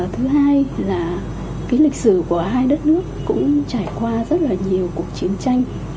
thứ hai là cái lịch sử của hai đất nước cũng trải qua rất là nhiều cuộc chiến tranh